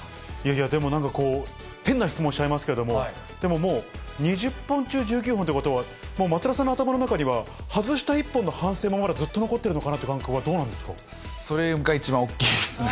でもなんかこう、変な質問しちゃいますけど、でももう、２０本中１９本っていうことは、もう松田さんの頭の中には、外した１本の反省もずっと残ってるのかなっていう感覚はどうなんそれが一番大きいですね。